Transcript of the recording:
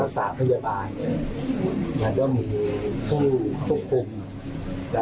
แล้วก็ปกติในระเบียบเนี่ยเราจะได้มาเที่ยวการเจ้าคนที่ควบคุมนะฮะ